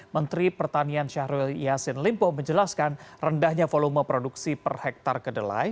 menteri pertanian syahrul yassin limpo menjelaskan rendahnya volume produksi per hektare kedelai